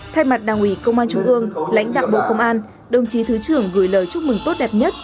thay mặt đảng ủy công an trung ương lãnh đạo bộ công an đồng chí thứ trưởng gửi lời chúc mừng tốt đẹp nhất